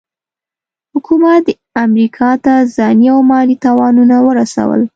حکومت امریکا ته ځاني او مالي تاوانونه ورسول.